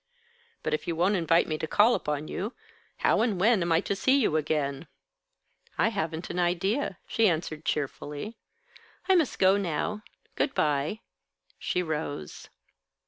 "But if you won't invite me to call upon you, how and when am I to see you again?" "I haven't an idea," she answered, cheerfully. "I must go now. Good by." She rose.